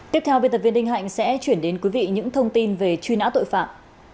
tiếp theo biên tập viên đinh hạnh sẽ chuyển đến quý vị những thông tin về truy nã tội phạm